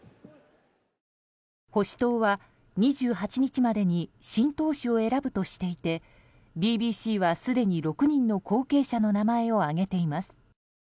保守党は、２８日までに新党首を選ぶとしていてＢＢＣはすでに６人の後継者の名前を挙げています。